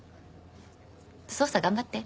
捜査頑張って。